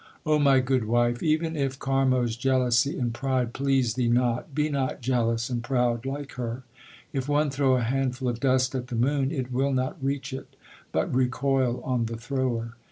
2 O my good wife, even if Karmo s jealousy and pride please thee not, be not jealous and proud like her. If one throw a handful of dust at the moon, it will not reach it, but recoil on the thrower.